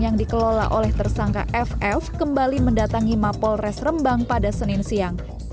yang dikelola oleh tersangka ff kembali mendatangi mapol res rembang pada senin siang